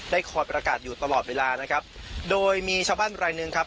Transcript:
คอยประกาศอยู่ตลอดเวลานะครับโดยมีชาวบ้านรายหนึ่งครับ